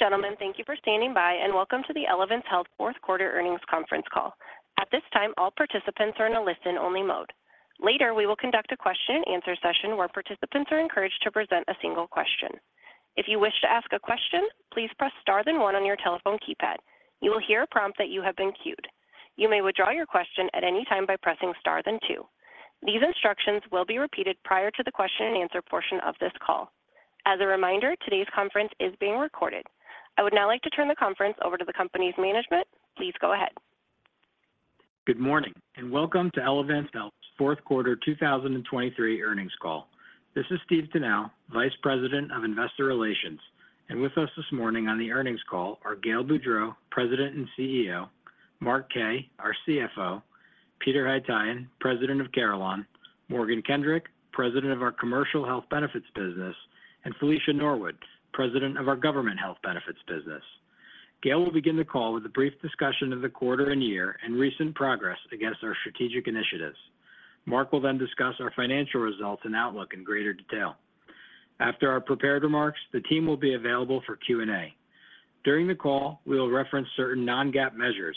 Ladies and gentlem en, thank you for standing by and welcome to the Elevance Health Q4 Earnings Conference Call. At this time, all participants are in a listen-only mode. Later, we will conduct a Q&A session where participants are encouraged to present a single question. If you wish to ask a question, please press star then one on your telephone keypad. You will hear a prompt that you have been queued. You may withdraw your question at any time by pressing star then two. These instructions will be repeated prior to the Q&A portion of this call. As a reminder, today's conference is being recorded. I would now like to turn the conference over to the company's management. Please go ahead. Good morning, and welcome to Elevance Health's Q4 2023 earnings call. This is Steve Tanal, Vice President of Investor Relations. And with us this morning on the earnings call are Gail Boudreaux, President and CEO; Mark Kaye, our CFO; Peter Haytaian, President of Carelon, Morgan Kendrick, President of our Commercial Health Benefits business; and Felicia Norwood, President of our Government Health Benefits business. Gail will begin the call with a brief discussion of the quarter and year and recent progress against our strategic initiatives. Mark will then discuss our financial results and outlook in greater detail. After our prepared remarks, the team will be available for Q&A. During the call, we will reference certain non-GAAP measures.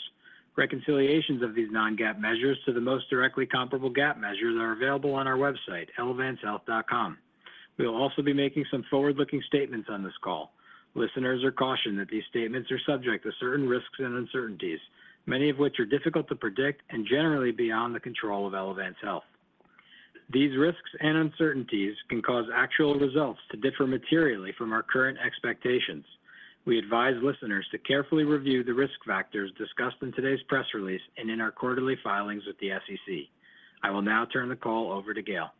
Reconciliations of these non-GAAP measures to the most directly comparable GAAP measures are available on our website, elevancehealth.com. We will also be making some forward-looking statements on this call. Listeners are cautioned that these statements are subject to certain risks and uncertainties, many of which are difficult to predict and generally beyond the control of Elevance Health. These risks and uncertainties can cause actual results to differ materially from our current expectations. We advise listeners to carefully review the risk factors discussed in today's press release and in our quarterly filings with the SEC. I will now turn the call over to Gail.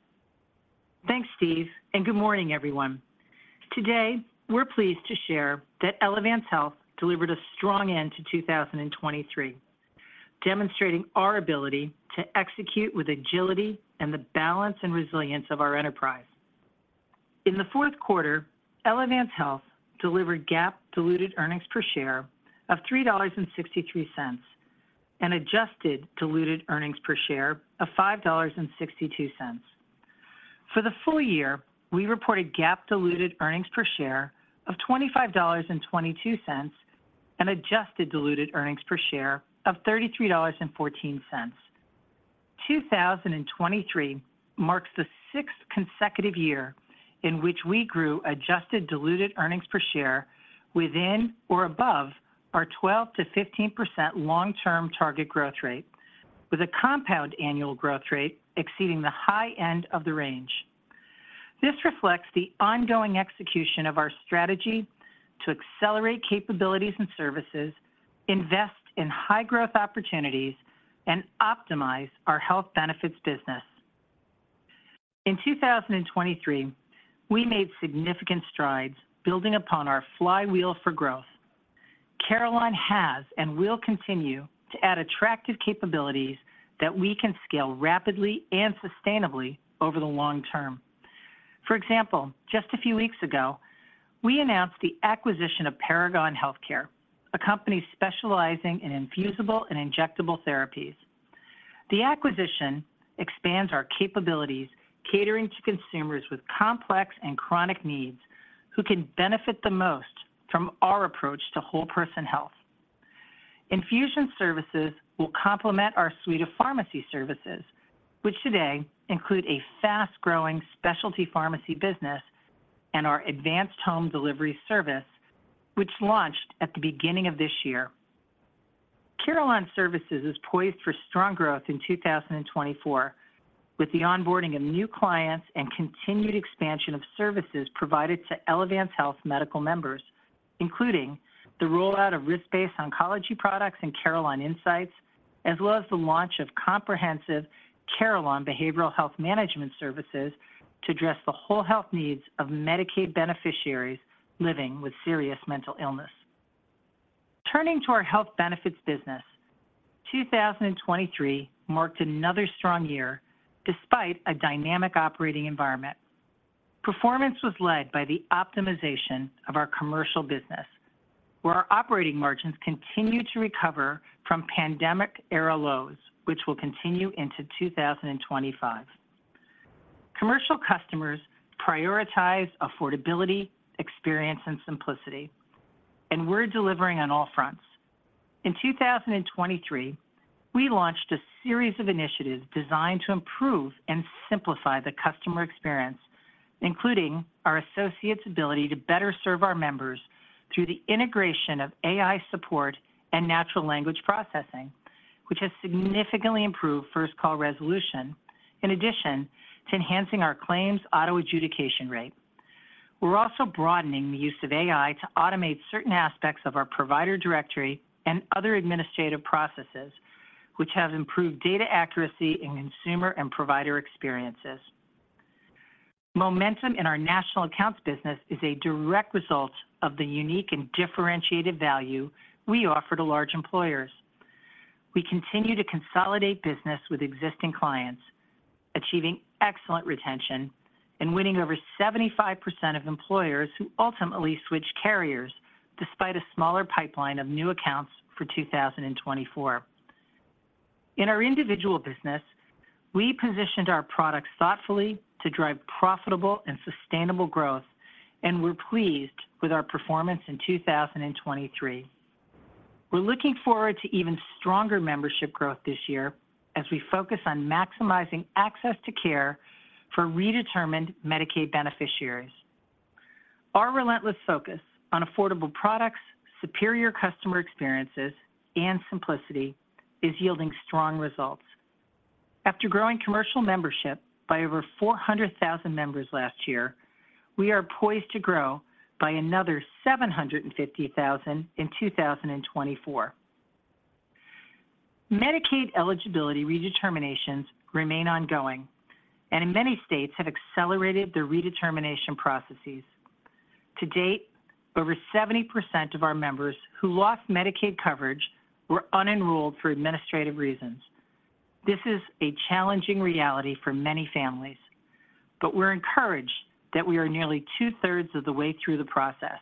Thanks, Steve, and good morning, everyone. Today, we're pleased to share that Elevance Health delivered a strong end to 2023, demonstrating our ability to execute with agility and the balance and resilience of our enterprise. In the Q4, Elevance Health delivered GAAP diluted earnings per share of $3.63, and adjusted diluted earnings per share of $5.62. For the full year, we reported GAAP diluted earnings per share of $25.22, and adjusted diluted earnings per share of $33.14. 2023 marks the sixth consecutive year in which we grew adjusted diluted earnings per share within or above our 12%-15% long-term target growth rate, with a compound annual growth rate exceeding the high end of the range. This reflects the ongoing execution of our strategy to accelerate capabilities and services, invest in high growth opportunities, and optimize our health benefits business. In 2023, we made significant strides building upon our flywheel for growth. Carelon has and will continue to add attractive capabilities that we can scale rapidly and sustainably over the long term. For example, just a few weeks ago, we announced the acquisition of Paragon Healthcare, a company specializing in infusible and injectable therapies. The acquisition expands our capabilities, catering to consumers with complex and chronic needs, who can benefit the most from our approach to whole person health. Infusion services will complement our suite of pharmacy services, which today include a fast-growing specialty pharmacy business and our advanced home delivery service, which launched at the beginning of this year. Carelon Services is poised for strong growth in 2024, with the onboarding of new clients and continued expansion of services provided to Elevance Health medical members, including the rollout of risk-based oncology products and Carelon Insights, as well as the launch of comprehensive Carelon behavioral health management services to address the whole health needs of Medicaid beneficiaries living with serious mental illness. Turning to our health benefits business, 2023 marked another strong year despite a dynamic operating environment. Performance was led by the optimization of our commercial business, where our operating margins continued to recover from pandemic-era lows, which will continue into 2025. Commercial customers prioritize affordability, experience, and simplicity, and we're delivering on all fronts. In 2023, we launched a series of initiatives designed to improve and simplify the customer experience, including our associates' ability to better serve our members through the integration of AI support and natural language processing, which has significantly improved first call resolution, in addition to enhancing our claims auto adjudication rate. We're also broadening the use of AI to automate certain aspects of our provider directory and other administrative processes, which have improved data accuracy in consumer and provider experiences. Momentum in our national accounts business is a direct result of the unique and differentiated value we offer to large employers. We continue to consolidate business with existing clients, achieving excellent retention and winning over 75% of employers who ultimately switch carriers, despite a smaller pipeline of new accounts for 2024. In our individual business, we positioned our products thoughtfully to drive profitable and sustainable growth, and we're pleased with our performance in 2023. We're looking forward to even stronger membership growth this year as we focus on maximizing access to care for redetermined Medicaid beneficiaries. Our relentless focus on affordable products, superior customer experiences, and simplicity is yielding strong results. After growing commercial membership by over 400,000 members last year, we are poised to grow by another 750,000 in 2024. Medicaid eligibility redeterminations remain ongoing, and in many states have accelerated their redetermination processes. To date, over 70% of our members who lost Medicaid coverage were unenrolled for administrative reasons. This is a challenging reality for many families, but we're encouraged that we are nearly 2/3 of the way through the process,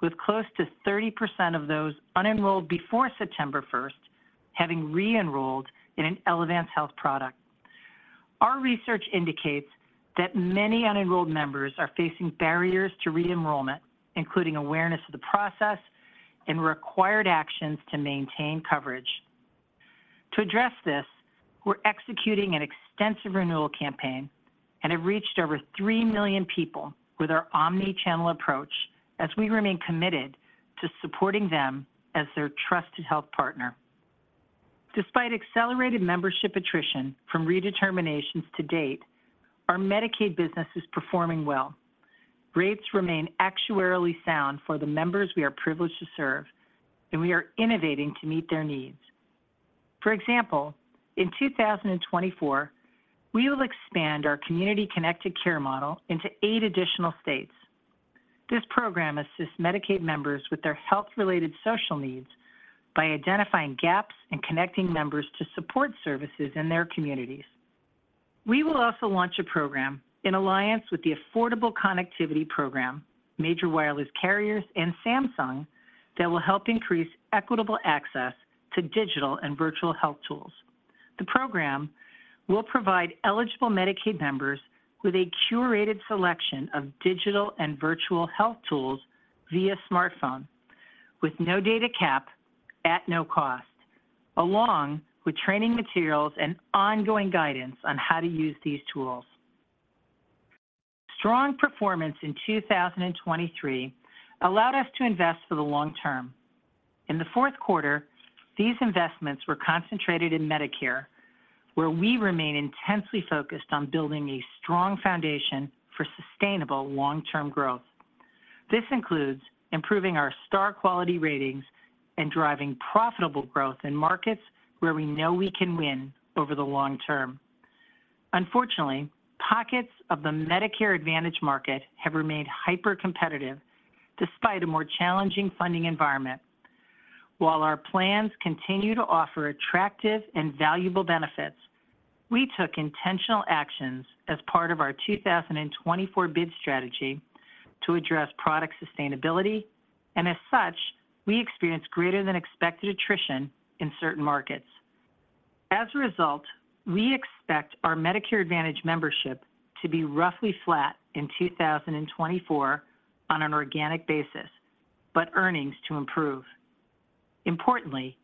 with close to 30% of those unenrolled before September 1, having re-enrolled in an Elevance Health product. Our research indicates that many unenrolled members are facing barriers to re-enrollment, including awareness of the process and required actions to maintain coverage. To address this, we're executing an extensive renewal campaign and have reached over 3 million people with our omni-channel approach as we remain committed to supporting them as their trusted health partner. Despite accelerated membership attrition from redeterminations to date, our Medicaid business is performing well. Rates remain actuarially sound for the members we are privileged to serve, and we are innovating to meet their needs. For example, in 2024, we will expand our Community Connected Care model into eight additional states. This program assists Medicaid members with their health-related social needs by identifying gaps and connecting members to support services in their communities. We will also launch a program in alliance with the Affordable Connectivity Program, major wireless carriers, and Samsung that will help increase equitable access to digital and virtual health tools. The program will provide eligible Medicaid members with a curated selection of digital and virtual health tools via smartphone, with no data cap at no cost, along with training materials and ongoing guidance on how to use these tools. Strong performance in 2023 allowed us to invest for the long term. In the Q4, these investments were concentrated in Medicare, where we remain intensely focused on building a strong foundation for sustainable long-term growth. This includes improving our star quality ratings and driving profitable growth in markets where we know we can win over the long term. Unfortunately, pockets of the Medicare Advantage market have remained hypercompetitive despite a more challenging funding environment. While our plans continue to offer attractive and valuable benefits, we took intentional actions as part of our 2024 bid strategy to address product sustainability, and as such, we experienced greater than expected attrition in certain markets. As a result, we expect our Medicare Advantage membership to be roughly flat in 2024 on an organic basis, but earnings to improve. Importantly,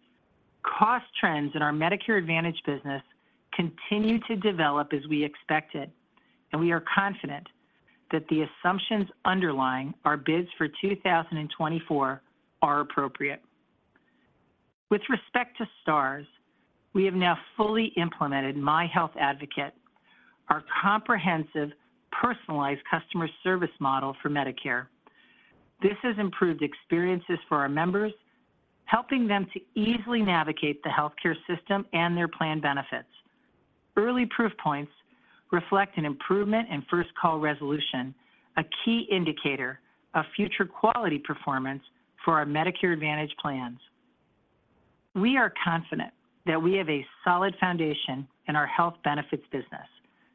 cost trends in our Medicare Advantage business continue to develop as we expected, and we are confident that the assumptions underlying our bids for 2024 are appropriate. With respect to Stars, we have now fully implemented My Health Advocate, our comprehensive, personalized customer service model for Medicare. This has improved experiences for our members, helping them to easily navigate the healthcare system and their plan benefits. Early proof points reflect an improvement in first call resolution, a key indicator of future quality performance for our Medicare Advantage plans. We are confident that we have a solid foundation in our health benefits business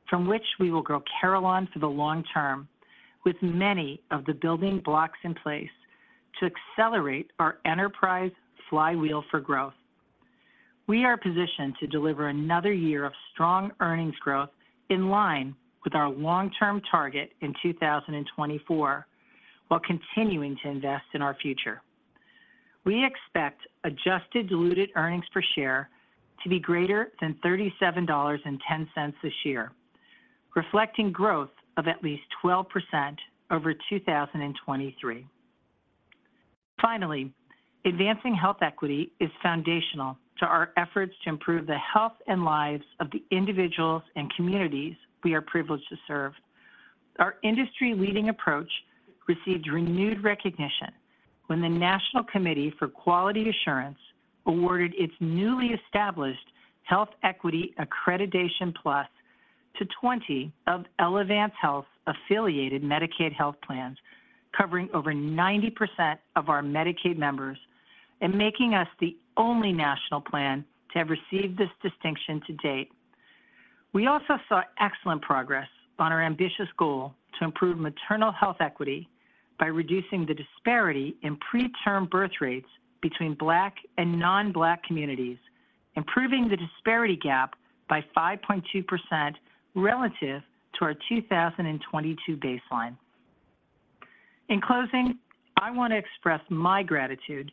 from which we will grow Carelon for the long term, with many of the building blocks in place to accelerate our enterprise flywheel for growth. We are positioned to deliver another year of strong earnings growth in line with our long-term target in 2024, while continuing to invest in our future. We expect adjusted diluted earnings per share to be greater than $37.10 this year, reflecting growth of at least 12% over 2023. Finally, advancing health equity is foundational to our efforts to improve the health and lives of the individuals and communities we are privileged to serve. Our industry-leading approach received renewed recognition when the National Committee for Quality Assurance awarded its newly established Health Equity Accreditation Plus to 20 of Elevance Health affiliated Medicaid health plans, covering over 90% of our Medicaid members and making us the only national plan to have received this distinction to date. We also saw excellent progress on our ambitious goal to improve maternal health equity by reducing the disparity in preterm birth rates between black and non-black communities, improving the disparity gap by 5.2% relative to our 2022 baseline. In closing, I want to express my gratitude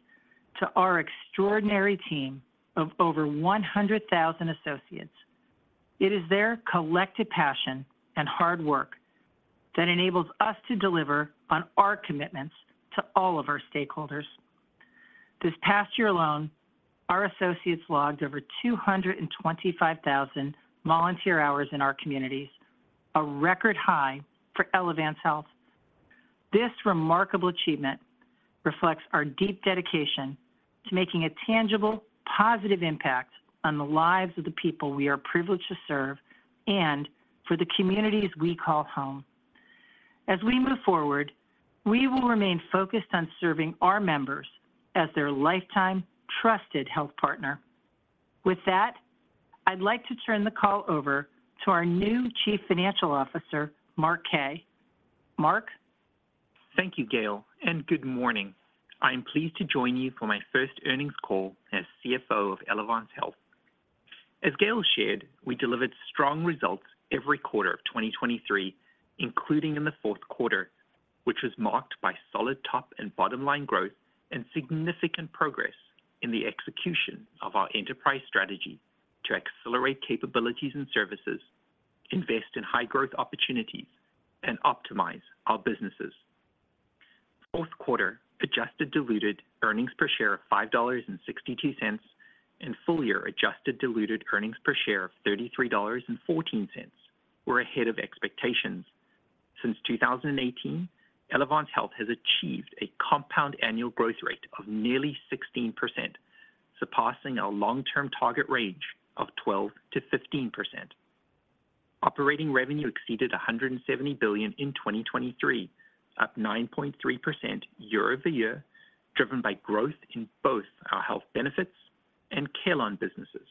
to our extraordinary team of over 100,000 associates. It is their collective passion and hard work that enables us to deliver on our commitments to all of our stakeholders. This past year alone, our associates logged over 225,000 volunteer hours in our communities, a record high for Elevance Health. This remarkable achievement reflects our deep dedication to making a tangible, positive impact on the lives of the people we are privileged to serve and for the communities we call home. As we move forward, we will remain focused on serving our members as their lifetime trusted health partner. With that, I'd like to turn the call over to our new Chief Financial Officer, Mark Kaye. Mark? Thank you, Gail, and good morning. I'm pleased to join you for my first earnings call as CFO of Elevance Health. As Gail shared, we delivered strong results every quarter of 2023, including in the Q4, which was marked by solid top and bottom line growth and significant progress in the execution of our enterprise strategy to accelerate capabilities and services, invest in high growth opportunities, and optimize our businesses. Q4 adjusted diluted earnings per share of $5.62, and full-year adjusted diluted earnings per share of $33.14 were ahead of expectations. Since 2018, Elevance Health has achieved a compound annual growth rate of nearly 16%, surpassing our long-term target range of 12%-15%. Operating revenue exceeded $170 billion in 2023, up 9.3% year over year, driven by growth in both our health benefits and Carelon businesses.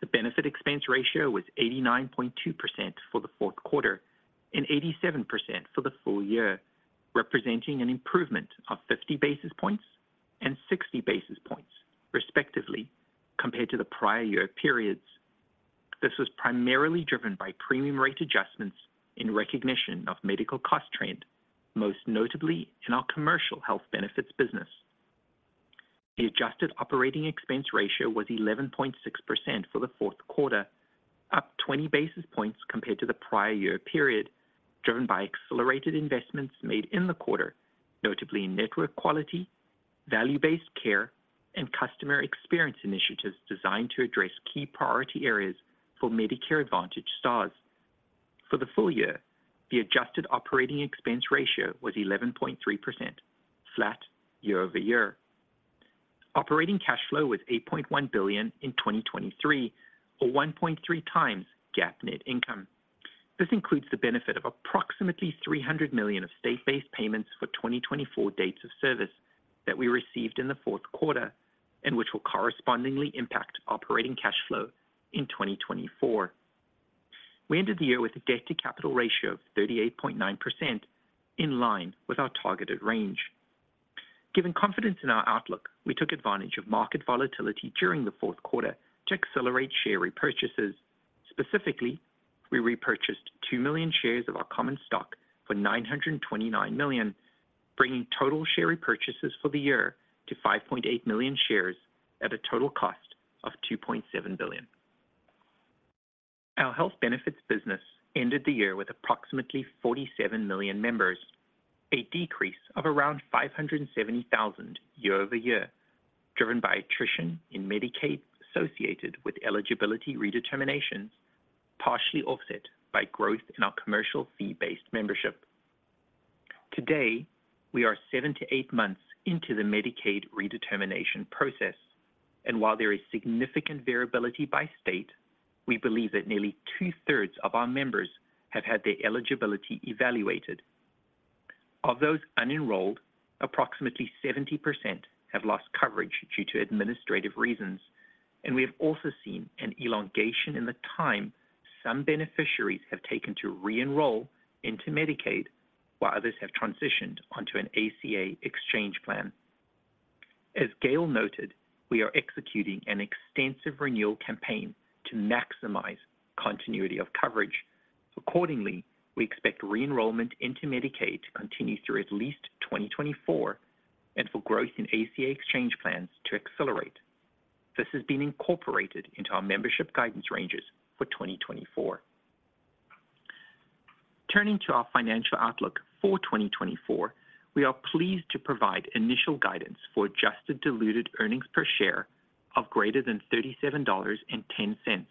The benefit expense ratio was 89.2% for the Q4 and 87% for the full year, representing an improvement of 50 basis points and 60 basis points, respectively, compared to the prior year periods. This was primarily driven by premium rate adjustments in recognition of medical cost trend, most notably in our commercial health benefits business. The adjusted operating expense ratio was 11.6% for the Q4, up 20 basis points compared to the prior year period, driven by accelerated investments made in the quarter, notably in network quality, value-based care, and customer experience initiatives designed to address key priority areas for Medicare Advantage stars. For the full year, the adjusted operating expense ratio was 11.3%, flat year-over-year. Operating cash flow was $8.1 billion in 2023, or 1.3 times GAAP net income. This includes the benefit of approximately $300 million of state-based payments for 2024 dates of service that we received in the Q4, and which will correspondingly impact operating cash flow in 2024. We ended the year with a debt-to-capital ratio of 38.9%, in line with our targeted range. Given confidence in our outlook, we took advantage of market volatility during the Q4 to accelerate share repurchases. Specifically, we repurchased 2 million shares of our common stock for $929 million, bringing total share repurchases for the year to 5.8 million shares at a total cost of $2.7 billion. Our health benefits business ended the year with approximately 47 million members, a decrease of around 570,000 year over year, driven by attrition in Medicaid associated with eligibility redeterminations, partially offset by growth in our commercial fee-based membership. Today, we are 7 months to 8 months into the Medicaid redetermination process, and while there is significant variability by state, we believe that nearly 2/3 of our members have had their eligibility evaluated. Of those unenrolled, approximately 70% have lost coverage due to administrative reasons, and we have also seen an elongation in the time some beneficiaries have taken to re-enroll into Medicaid, while others have transitioned onto an ACA exchange plan. As Gail noted, we are executing an extensive renewal campaign to maximize continuity of coverage. Accordingly, we expect re-enrollment into Medicaid to continue through at least 2024 and for growth in ACA exchange plans to accelerate. This has been incorporated into our membership guidance ranges for 2024. Turning to our financial outlook for 2024, we are pleased to provide initial guidance for Adjusted Diluted Earnings Per Share of greater than $37.10,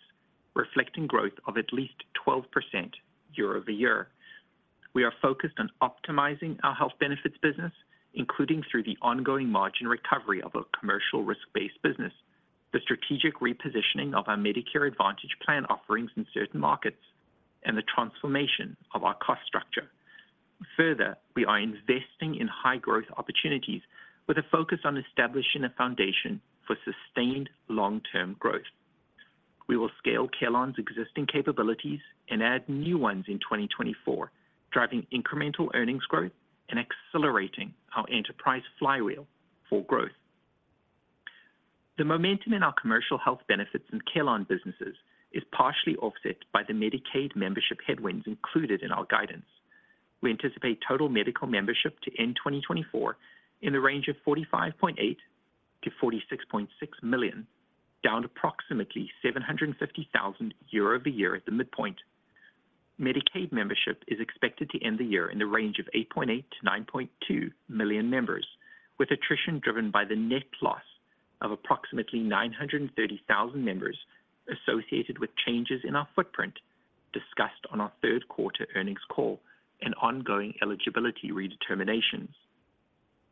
reflecting growth of at least 12% year-over-year. We are focused on optimizing our health benefits business, including through the ongoing margin recovery of our commercial risk-based business, the strategic repositioning of our Medicare Advantage plan offerings in certain markets, and the transformation of our cost structure. Further, we are investing in high growth opportunities with a focus on establishing a foundation for sustained long-term growth. We will scale Carelon's existing capabilities and add new ones in 2024, driving incremental earnings growth and accelerating our enterprise Flywheel for growth. The momentum in our commercial health benefits and Carelon businesses is partially offset by the Medicaid membership headwinds included in our guidance. We anticipate total medical membership to end 2024 in the range of 45.8 million-46.6 million, down approximately 750,000 year over year at the midpoint. Medicaid membership is expected to end the year in the range of 8.8 million-9.2 million members, with attrition driven by the net loss of approximately 930,000 members associated with changes in our footprint discussed on our Q3 earnings call and ongoing eligibility redeterminations.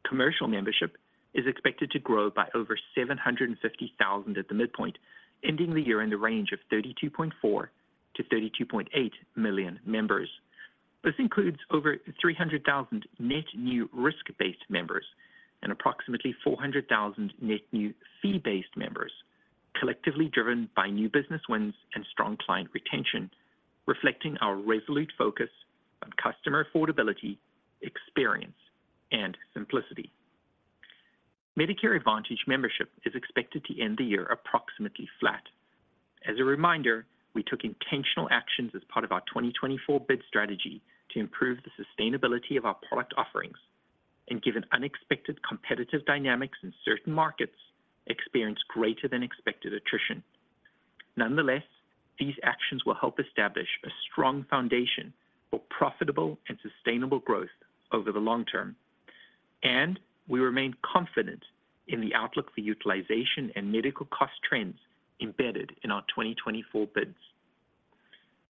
Commercial membership is expected to grow by over 750,000 at the midpoint, ending the year in the range of 32.4 million-32.8 million members. This includes over 300,000 net new risk-based members and approximately 400,000 net new fee-based members, collectively driven by new business wins and strong client retention, reflecting our resolute focus on customer affordability, experience, and simplicity. Medicare Advantage membership is expected to end the year approximately flat. As a reminder, we took intentional actions as part of our 2024 bid strategy to improve the sustainability of our product offerings, and given unexpected competitive dynamics in certain markets, experienced greater than expected attrition. Nonetheless, these actions will help establish a strong foundation for profitable and sustainable growth over the long term, and we remain confident in the outlook for utilization and medical cost trends embedded in our 2024 bids.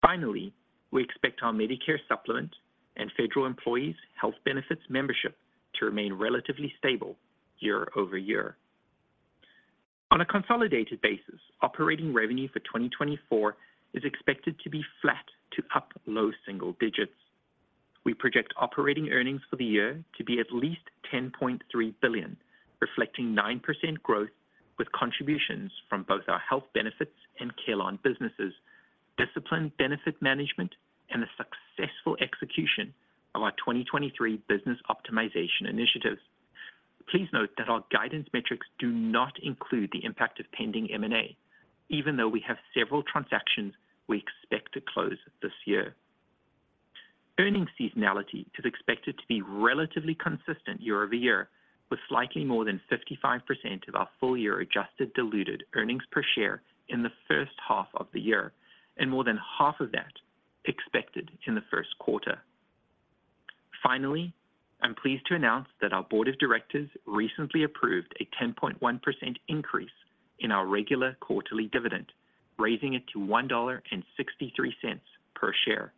Finally, we expect our Medicare Supplement and Federal Employees Health Benefits membership to remain relatively stable year-over-year. On a consolidated basis, operating revenue for 2024 is expected to be flat to up low single digits. We project operating earnings for the year to be at least $10.3 billion, reflecting 9% growth, with contributions from both our health benefits and Carelon businesses, disciplined benefit management, and the successful execution of our 2023 business optimization initiatives. Please note that our guidance metrics do not include the impact of pending M&A, even though we have several transactions we expect to close this year. Earnings seasonality is expected to be relatively consistent year over year, with slightly more than 55% of our full year adjusted diluted earnings per share in the first half of the year, and more than half of that expected in the Q1. Finally, I'm pleased to announce that our board of directors recently approved a 10.1 increase in our regular quarterly dividend, raising it to $1.63 per share.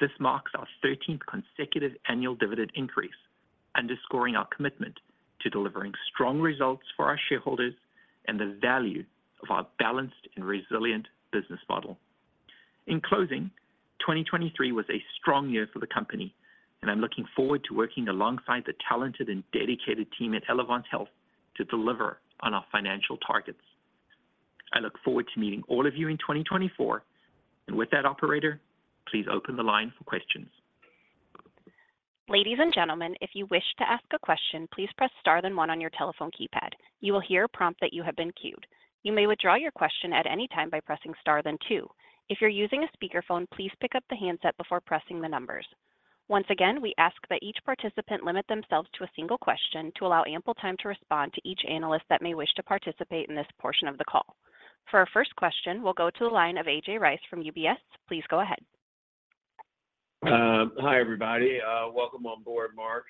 This marks our 13th consecutive annual dividend increase, underscoring our commitment to delivering strong results for our shareholders and the value of our balanced and resilient business model. In closing, 2023 was a strong year for the company, and I'm looking forward to working alongside the talented and dedicated team at Elevance Health to deliver on our financial targets. I look forward to meeting all of you in 2024. And with that, operator, please open the line for questions. Ladies and gentlemen, if you wish to ask a question, please press star, then one on your telephone keypad. You will hear a prompt that you have been queued. You may withdraw your question at any time by pressing star, then two. If you're using a speakerphone, please pick up the handset before pressing the numbers. Once again, we ask that each participant limit themselves to a single question to allow ample time to respond to each analyst that may wish to participate in this portion of the call. For our first question, we'll go to the line of A.J. Rice from UBS. Please go ahead. Hi, everybody. Welcome on board, Mark.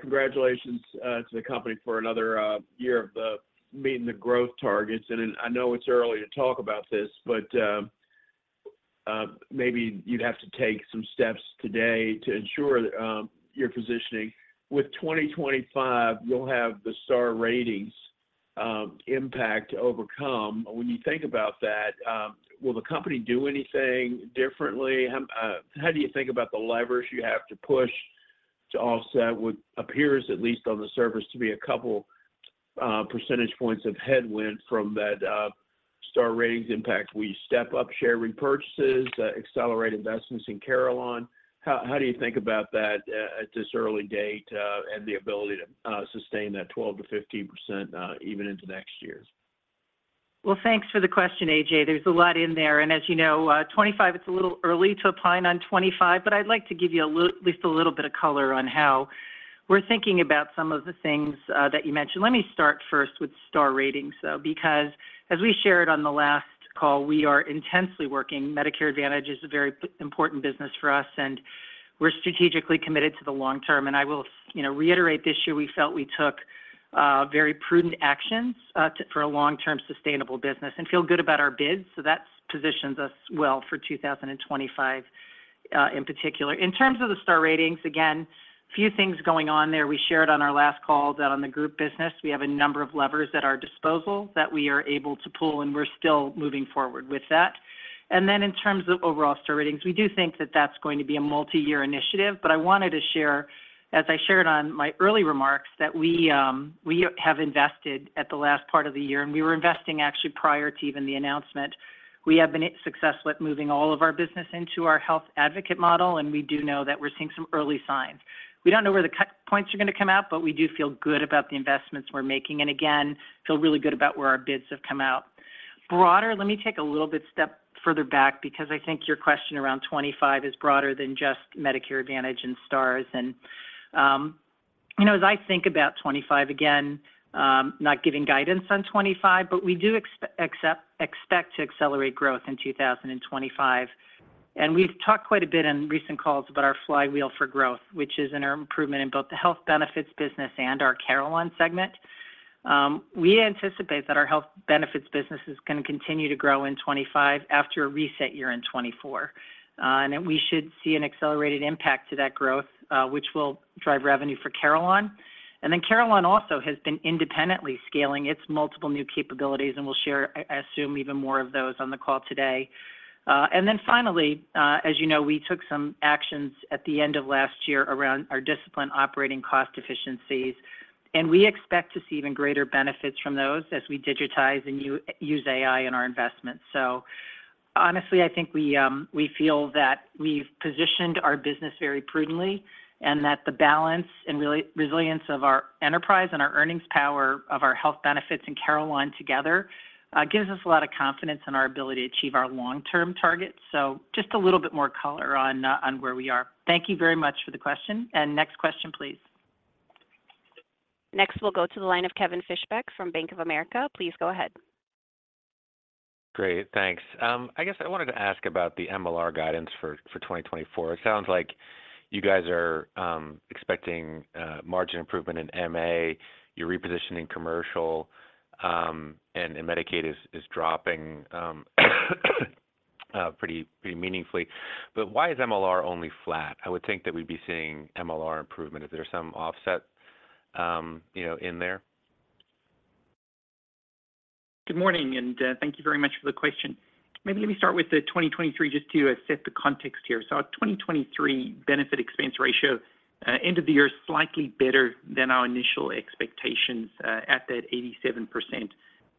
Congratulations to the company for another year of meeting the growth targets. I know it's early to talk about this, but maybe you'd have to take some steps today to ensure that your positioning with 2025, you'll have the Star Ratings impact overcome. When you think about that, will the company do anything differently? How do you think about the leverage you have to push to offset what appears, at least on the surface, to be a couple percentage points of headwind from that Star Ratings impact? Will you step up share repurchases, accelerate investments in Carelon? How do you think about that at this early date and the ability to sustain that 12%-15% even into next year? Well, thanks for the question, A.J. There's a lot in there. As you know, 2025, it's a little early to opine on 2025, but I'd like to give you a little, at least a little bit of color on how we're thinking about some of the things that you mentioned. Let me start first with Star Ratings, though, because as we shared on the last call, we are intensely working. Medicare Advantage is a very important business for us, and we're strategically committed to the long term. I will, you know, reiterate, this year, we felt we took very prudent actions to, for a long-term sustainable business and feel good about our bids. So that positions us well for 2025, in particular. In terms of the Star Ratings, again, few things going on there. We shared on our last call that on the group business, we have a number of levers at our disposal that we are able to pull, and we're still moving forward with that. And then in terms of overall Star Ratings, we do think that that's going to be a multi-year initiative. But I wanted to share, as I shared in my early remarks, that we have invested at the last part of the year, and we were investing actually prior to even the announcement. We have been successful at moving all of our business into our health advocate model, and we do know that we're seeing some early signs. We don't know where the cut points are going to come out, but we do feel good about the investments we're making, and again, feel really good about where our bids have come out. Broader, let me take a little bit step further back, because I think your question around 25 is broader than just Medicare Advantage and stars. You know, as I think about 2025, again, not giving guidance on 2025, but we do expect to accelerate growth in 2025. We've talked quite a bit in recent calls about our flywheel for growth, which is in our improvement in both the health benefits business and our Carelon segment. We anticipate that our health benefits business is going to continue to grow in 25 after a reset year in 2024. And we should see an accelerated impact to that growth, which will drive revenue for Carelon. And then Carelon also has been independently scaling its multiple new capabilities, and we'll share, I assume, even more of those on the call today. and then finally, as you know, we took some actions at the end of last year around our disciplined operating cost efficiencies, and we expect to see even greater benefits from those as we digitize and use AI in our investments. So honestly, I think we feel that we've positioned our business very prudently and that the balance and resilience of our enterprise and our earnings power of our health benefits in Carelon together gives us a lot of confidence in our ability to achieve our long-term targets. So just a little bit more color on where we are. Thank you very much for the question. And next question, please. Next, we'll go to the line of Kevin Fischbeck from Bank of America. Please go ahead. Great, thanks. I guess I wanted to ask about the MLR guidance for 2024. It sounds like you guys are expecting margin improvement in MA, you're repositioning commercial, and Medicaid is dropping pretty meaningfully. But why is MLR only flat? I would think that we'd be seeing MLR improvement. Is there some offset, you know, in there? Good morning, and, thank you very much for the question. Maybe let me start with the 2023 just to set the context here. So our 2023 benefit expense ratio, end of the year, slightly better than our initial expectations, at that 87%. And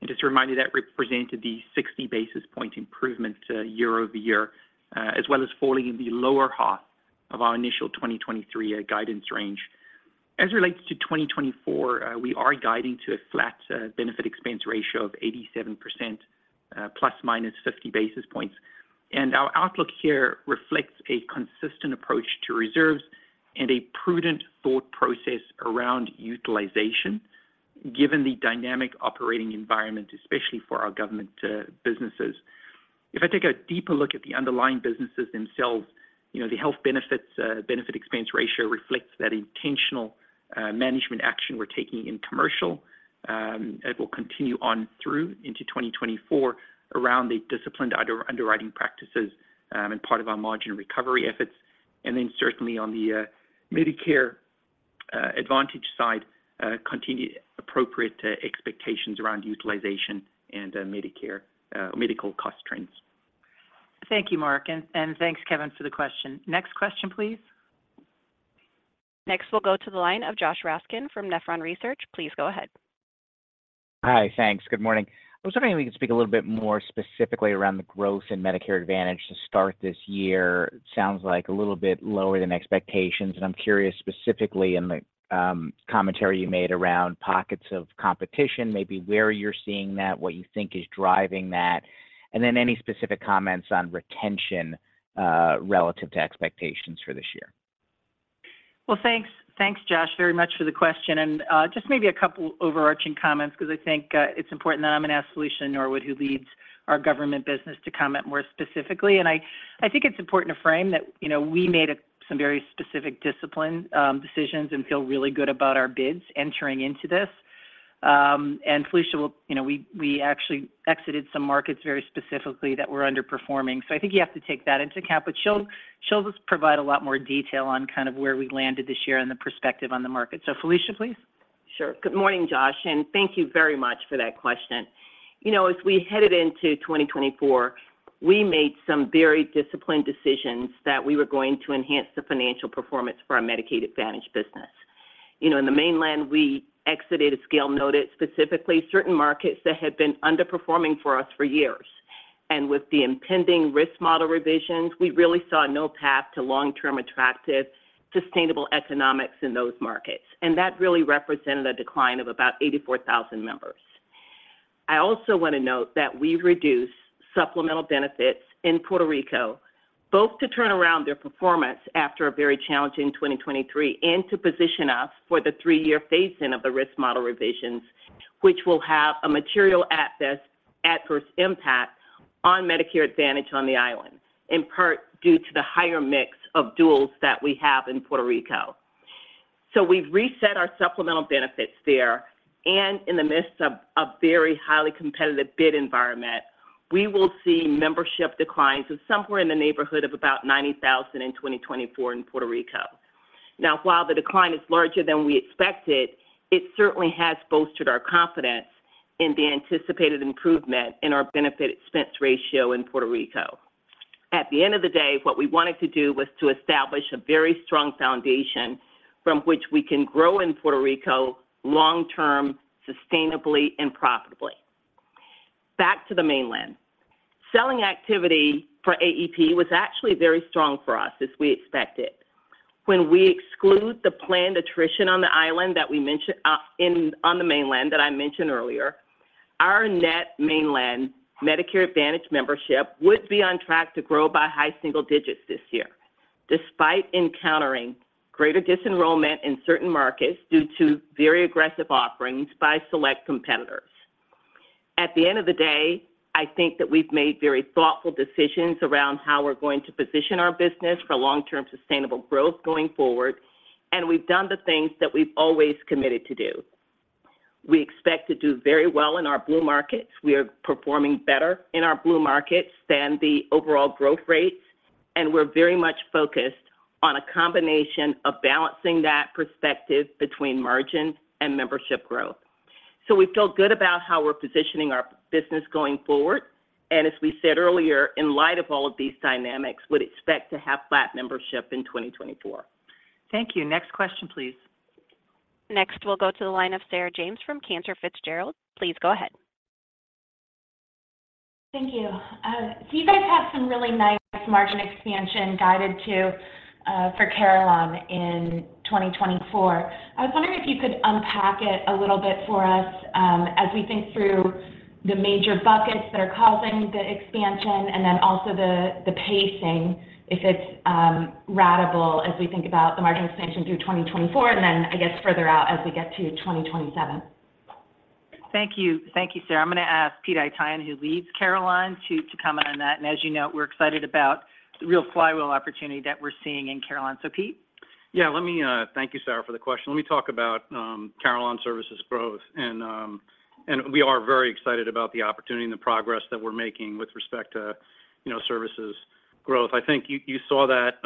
just a reminder, that represented the 60 basis point improvement, year over year, as well as falling in the lower half of our initial 2023 guidance range. As it relates to 2024, we are guiding to a flat, benefit expense ratio of 87%, ±50 basis points. And our outlook here reflects a consistent approach to reserves and a prudent thought process around utilization, given the dynamic operating environment, especially for our government, businesses. If I take a deeper look at the underlying businesses themselves, you know, the health benefits benefit expense ratio reflects that intentional management action we're taking in commercial. It will continue on through into 2024 around the disciplined underwriting practices and part of our margin recovery efforts. Then certainly on the Medicare Advantage side, continue appropriate expectations around utilization and Medicare medical cost trends. Thank you, Mark, and thanks, Kevin, for the question. Next question, please. Next, we'll go to the line of Josh Raskin from Nephron Research. Please go ahead. Hi, thanks. Good morning. I was wondering if we could speak a little bit more specifically around the growth in Medicare Advantage to start this year. Sounds like a little bit lower than expectations, and I'm curious, specifically in the commentary you made around pockets of competition, maybe where you're seeing that, what you think is driving that, and then any specific comments on retention relative to expectations for this year. Well, thanks. Thanks, Josh, very much for the question. And, just maybe a couple overarching comments because I think, it's important that I'm going to ask Felicia Norwood, who leads our government business, to comment more specifically. And I think it's important to frame that, you know, we made a, some very specific discipline, decisions and feel really good about our bids entering into this. And Felicia will you know, we actually exited some markets very specifically that were underperforming. So I think you have to take that into account, but she'll just provide a lot more detail on kind of where we landed this year and the perspective on the market. So Felicia, please. Sure. Good morning, Josh, and thank you very much for that question. You know, as we headed into 2024, we made some very disciplined decisions that we were going to enhance the financial performance for our Medicare Advantage business. You know, in the mainland, we exited select markets, specifically certain markets that had been underperforming for us for years. And with the impending risk model revisions, we really saw no path to long-term attractive, sustainable economics in those markets, and that really represented a decline of about 84,000 members. I also want to note that we reduced supplemental benefits in Puerto Rico, both to turn around their performance after a very challenging 2023 and to position us for the three years phase-in of the risk model revisions, which will have a material adverse impact on Medicare Advantage on the island, in part due to the higher mix of duals that we have in Puerto Rico. So we've reset our supplemental benefits there, and in the midst of a very highly competitive bid environment, we will see membership declines of somewhere in the neighborhood of about 90,000 in 2024 in Puerto Rico. Now, while the decline is larger than we expected, it certainly has bolstered our confidence in the anticipated improvement in our benefit expense ratio in Puerto Rico. At the end of the day, what we wanted to do was to establish a very strong foundation from which we can grow in Puerto Rico long-term, sustainably, and profitably. Back to the mainland. Selling activity for AEP was actually very strong for us, as we expected. When we exclude the planned attrition on the island that we mentioned, on the mainland that I mentioned earlier, our net mainland Medicare Advantage membership would be on track to grow by high single digits this year, despite encountering greater disenrollment in certain markets due to very aggressive offerings by select competitors. At the end of the day, I think that we've made very thoughtful decisions around how we're going to position our business for long-term sustainable growth going forward, and we've done the things that we've always committed to do. We expect to do very well in our Blue markets. We are performing better in our Blue markets than the overall growth rates, and we're very much focused on a combination of balancing that perspective between margin and membership growth. So we feel good about how we're positioning our business going forward, and as we said earlier, in light of all of these dynamics, would expect to have flat membership in 2024. Thank you. Next question, please. Next, we'll go to the line of Sarah James from Cantor Fitzgerald. Please go ahead. Thank you. So you guys have some really nice margin expansion guided to for Carelon in 2024. I was wondering if you could unpack it a little bit for us, as we think through the major buckets that are causing the expansion and then also the pacing, if it's ratable as we think about the margin expansion through 2024 and then, I guess, further out as we get to 2027. Thank you. Thank you, Sarah. I'm going to ask Pete Haytaian, who leads Carelon, to comment on that. And as you know, we're excited about the real flywheel opportunity that we're seeing in Carelon. So Pete? Yeah, let me. Thank you, Sarah, for the question. Let me talk about Carelon Services growth. We are very excited about the opportunity and the progress that we're making with respect to, you know, services growth. I think you saw that,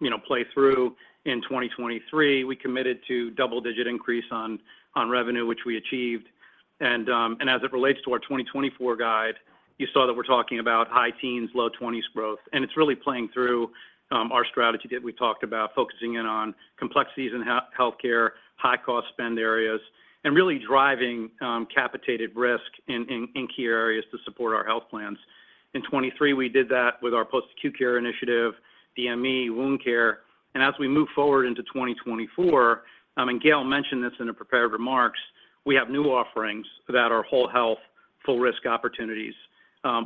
you know, play through in 2023. We committed to double-digit increase on revenue, which we achieved. As it relates to our 2024 guide, you saw that we're talking about high teens, low twenties growth, and it's really playing through our strategy that we talked about, focusing in on complexities in healthcare, high cost spend areas, and really driving capitated risk in key areas to support our health plans. In 2023, we did that with our post-acute care initiative, DME wound care. As we move forward into 2024, and Gail mentioned this in her prepared remarks, we have new offerings that are whole health, full risk opportunities,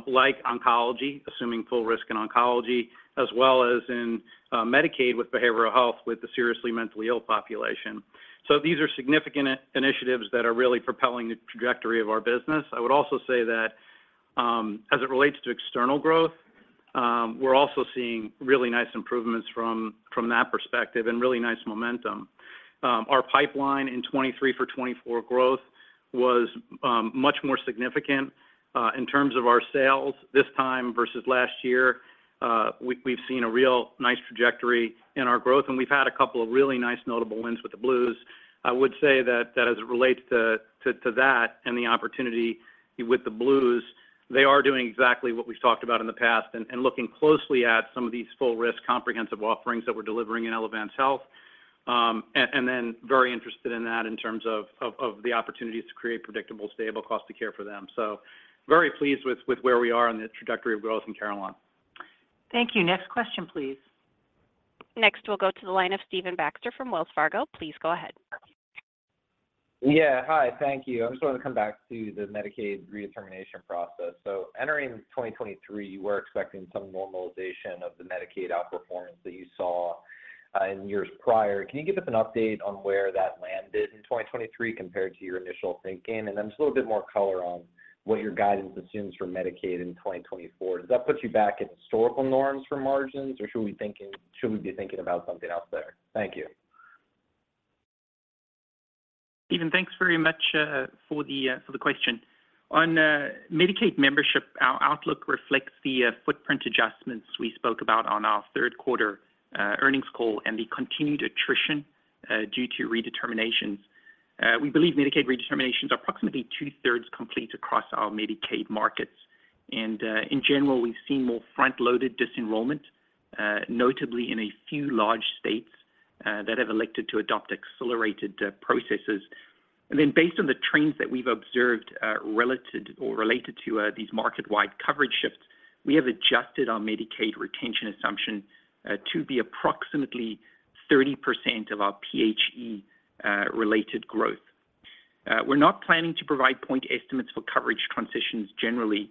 like oncology, assuming full risk in oncology, as well as in Medicaid with behavioral health, with the seriously mentally ill population. So these are significant initiatives that are really propelling the trajectory of our business. I would also say that, as it relates to external growth, we're also seeing really nice improvements from that perspective and really nice momentum. Our pipeline in 2023 for 2024 growth was much more significant in terms of our sales this time versus last year. We've seen a real nice trajectory in our growth, and we've had a couple of really nice notable wins with the Blues. I would say that as it relates to that and the opportunity with the Blues, they are doing exactly what we've talked about in the past and looking closely at some of these full risk comprehensive offerings that we're delivering in Elevance Health. And then very interested in that in terms of the opportunities to create predictable, stable cost of care for them. So very pleased with where we are on the trajectory of growth in Carelon. Thank you. Next question, please. Next, we'll go to the line of Stephen Baxter from Wells Fargo. Please go ahead. Yeah. Hi, thank you. I just wanted to come back to the Medicaid redetermination process. So entering 2023, you were expecting some normalization of the Medicaid outperformance that you saw in years prior. Can you give us an update on where that landed in 2023 compared to your initial thinking? And then just a little bit more color on what your guidance assumes for Medicaid in 2024. Does that put you back in historical norms for margins, or should we be thinking about something else there? Thank you. Steven, thanks very much for the question. On Medicaid membership, our outlook reflects the footprint adjustments we spoke about on our Q3 earnings call and the continued attrition due to redeterminations. We believe Medicaid redeterminations are approximately 2/3 complete across our Medicaid markets. In general, we've seen more front-loaded disenrollment, notably in a few large states that have elected to adopt accelerated processes. Then based on the trends that we've observed, relative or related to these market-wide coverage shifts, we have adjusted our Medicaid retention assumption to be approximately 30% of our PHE related growth. We're not planning to provide point estimates for coverage transitions generally.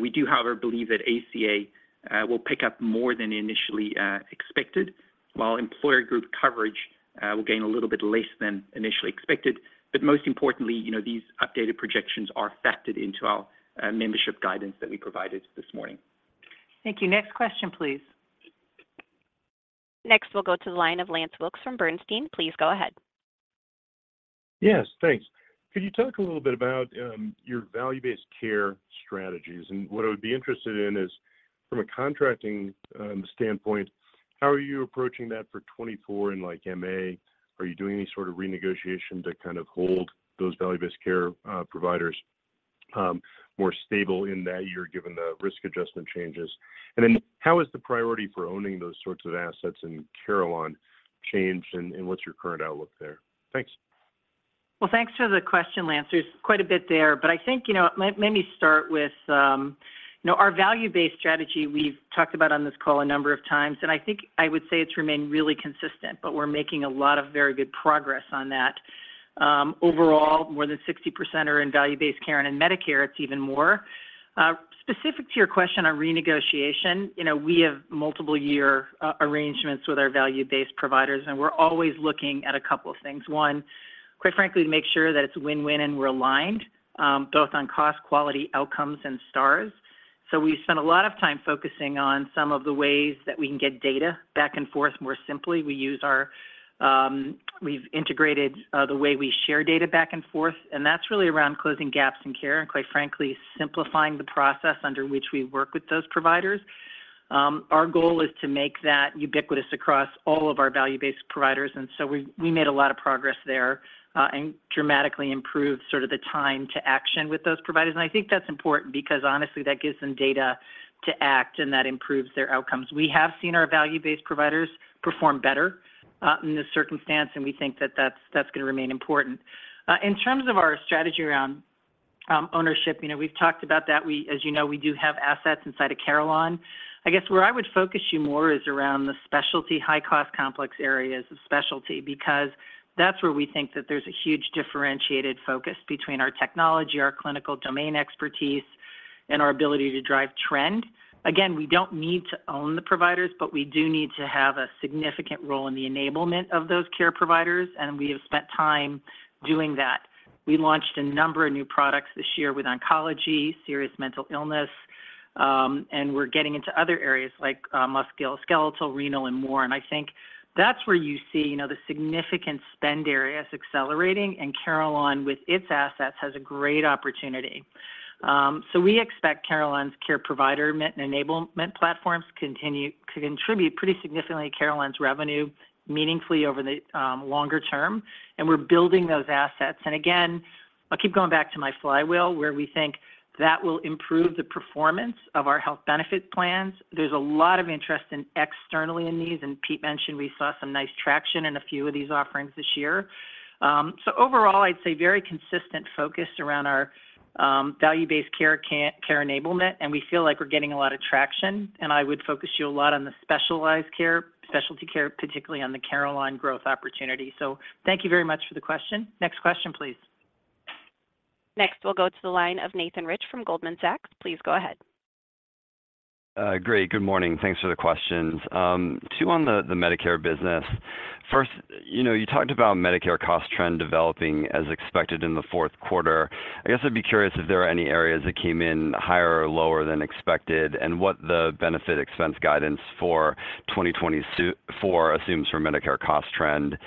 We do, however, believe that ACA will pick up more than initially expected, while employer group coverage will gain a little bit less than initially expected. But most importantly, you know, these updated projections are factored into our membership guidance that we provided this morning. Thank you. Next question, please. Next, we'll go to the line of Lance Wilkes from Bernstein. Please go ahead. Yes, thanks. Could you talk a little bit about your value-based care strategies? And what I would be interested in is from a contracting standpoint, how are you approaching that for 2024 in like MA? Are you doing any sort of renegotiation to kind of hold those value-based care providers more stable in that year, given the risk adjustment changes? And then how is the priority for owning those sorts of assets in Carelon changed, and what's your current outlook there? Thanks. Well, thanks for the question, Lance. There's quite a bit there, but I think, you know, let me start with, you know, our value-based strategy, we've talked about on this call a number of times, and I think I would say it's remained really consistent, but we're making a lot of very good progress on that. Overall, more than 60% are in value-based care, and in Medicare, it's even more. Specific to your question on renegotiation, you know, we have multiple year arrangements with our value-based providers, and we're always looking at a couple of things. One, quite frankly, to make sure that it's win-win and we're aligned, both on cost, quality, outcomes, and stars. So we spent a lot of time focusing on some of the ways that we can get data back and forth more simply. We use our, we've integrated, the way we share data back and forth, and that's really around closing gaps in care, and quite frankly, simplifying the process under which we work with those providers. Our goal is to make that ubiquitous across all of our value-based providers, and so we made a lot of progress there, and dramatically improved sort of the time to action with those providers. I think that's important because honestly, that gives them data to act, and that improves their outcomes. We have seen our value-based providers perform better, in this circumstance, and we think that that's going to remain important. In terms of our strategy around, ownership, you know, we've talked about that. As you know, we do have assets inside of Carelon. I guess where I would focus you more is around the specialty, high cost, complex areas of specialty, because that's where we think that there's a huge differentiated focus between our technology, our clinical domain expertise, and our ability to drive trend. Again, we don't need to own the providers, but we do need to have a significant role in the enablement of those care providers, and we have spent time doing that. We launched a number of new products this year with oncology, serious mental illness, and we're getting into other areas like, musculoskeletal, renal, and more. And I think that's where you see, you know, the significant spend areas accelerating, and Carelon, with its assets, has a great opportunity. So we expect Carelon's care provider management and enablement platforms to continue to contribute pretty significantly to Carelon's revenue meaningfully over the longer term, and we're building those assets. And again, I'll keep going back to my Flywheel, where we think that will improve the performance of our health benefit plans. There's a lot of external interest in these, and Pete mentioned we saw some nice traction in a few of these offerings this year. So overall, I'd say very consistent focus around our value-based care, care enablement, and we feel like we're getting a lot of traction, and I would focus you a lot on the specialized care, specialty care, particularly on the Carelon growth opportunity. So thank you very much for the question. Next question, please. Next, we'll go to the line of Nathan Rich from Goldman Sachs. Please go ahead. Great. Good morning. Thanks for the questions. Two on the Medicare business. First, you know, you talked about Medicare cost trend developing as expected in the Q4. I guess I'd be curious if there are any areas that came in higher or lower than expected and what the benefit expense guidance for 2024 assumes for Medicare cost trend.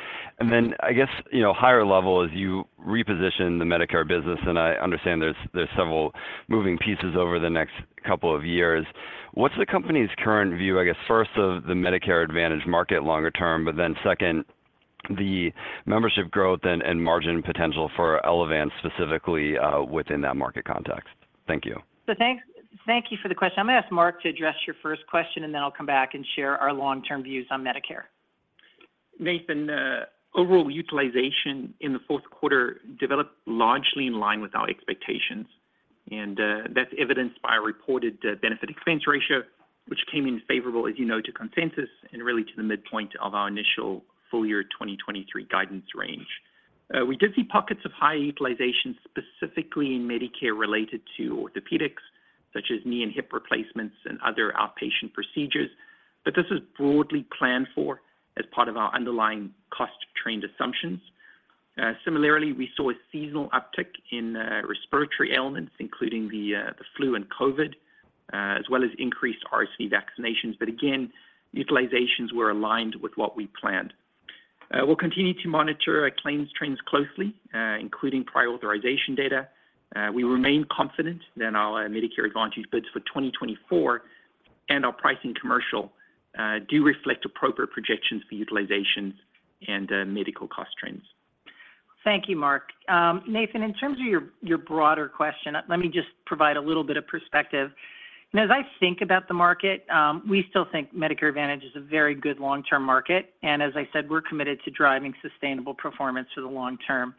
And then I guess, you know, higher level, as you reposition the Medicare business, and I understand there's several moving pieces over the next couple of years, what's the company's current view, I guess, first of the Medicare Advantage market longer term, but then second, the membership growth and margin potential for Elevance, specifically, within that market context? Thank you. Thanks. Thank you for the question. I'm going to ask Mark to address your first question, and then I'll come back and share our long-term views on Medicare. Nathan, overall utilization in the Q4 developed largely in line with our expectations, and, that's evidenced by a reported Benefit Expense Ratio, which came in favorable, as you know, to consensus and really to the midpoint of our initial full year 2023 guidance range. We did see pockets of high utilization, specifically in Medicare related to orthopedics, such as knee and hip replacements and other outpatient procedures, but this is broadly planned for as part of our underlying cost trend assumptions. Similarly, we saw a seasonal uptick in, respiratory ailments, including the, the flu and COVID, as well as increased RSV vaccinations. But again, utilizations were aligned with what we planned. We'll continue to monitor our claims trends closely, including prior authorization data. We remain confident that our Medicare Advantage bids for 2024 and our pricing commercial do reflect appropriate projections for utilization and medical cost trends. Thank you, Mark. Nathan, in terms of your broader question, let me just provide a little bit of perspective. As I think about the market, we still think Medicare Advantage is a very good long-term market, and as I said, we're committed to driving sustainable performance for the long term.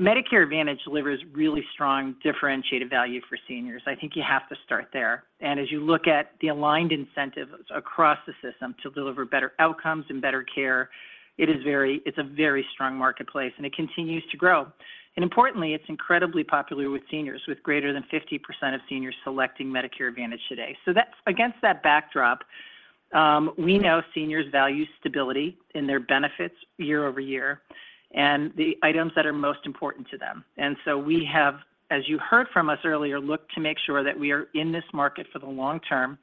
Medicare Advantage delivers really strong, differentiated value for seniors. I think you have to start there. As you look at the aligned incentives across the system to deliver better outcomes and better care, it is very - it's a very strong marketplace, and it continues to grow. Importantly, it's incredibly popular with seniors, with greater than 50% of seniors selecting Medicare Advantage today. That's - against that backdrop, we know seniors value stability in their benefits year over year and the items that are most important to them. And so we have, as you heard from us earlier, looked to make sure that we are in this market for the long term,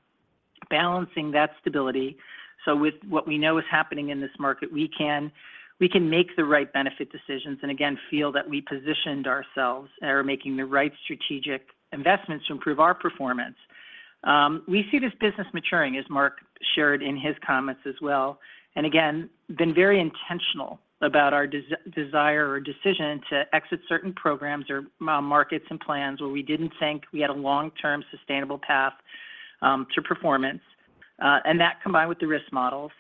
balancing that stability so with what we know is happening in this market, we can make the right benefit decisions and again, feel that we positioned ourselves and are making the right strategic investments to improve our performance. We see this business maturing, as Mark shared in his comments as well, and again, been very intentional about our desire or decision to exit certain programs or markets and plans where we didn't think we had a long-term sustainable path to performance. And that, combined with the risk models,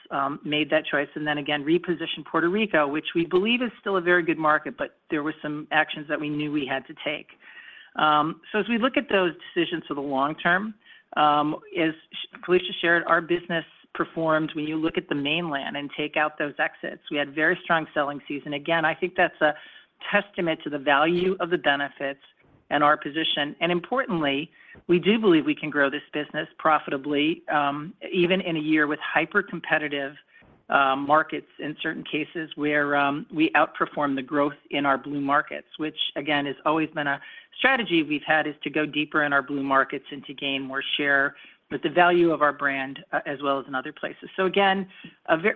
made that choice, and then again, repositioned Puerto Rico, which we believe is still a very good market, but there were some actions that we knew we had to take. So as we look at those decisions for the long term, as Felicia shared, our business performed when you look at the mainland and take out those exits. We had very strong selling season. Again, I think that's a testament to the value of the benefits and our position. And importantly, we do believe we can grow this business profitably, even in a year with hypercompetitive markets in certain cases, where we outperform the growth in our Blue markets. Which again, has always been a strategy we've had, is to go deeper in our Blue markets and to gain more share with the value of our brand, as well as in other places. So again,